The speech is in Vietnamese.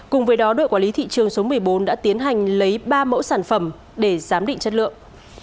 cùng với đó đội quản lý thị trường số một mươi bốn đã tiến hành lấy ba mẫu sản phẩm để giám định chất lượng